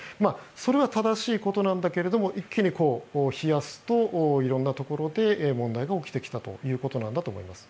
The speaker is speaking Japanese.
それは正しいことなんだけど一気に冷やすと色んなところで問題が起きてきたということなんだと思います。